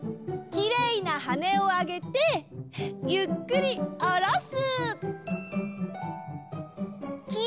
きれいなはねをあげてゆっくりおろす。